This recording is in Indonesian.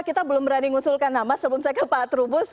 kita belum berani mengusulkan nama sebelum saya ke pak trubus